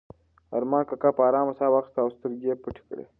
ارمان کاکا په ارامه ساه واخیسته او سترګې یې پټې کړې.